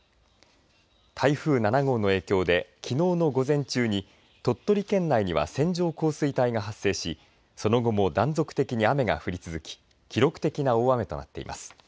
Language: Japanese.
台風７号の影響できのうの午前中に鳥取県内には線状降水帯が発生しその後も断続的に雨が降り続き記録的な大雨となっています。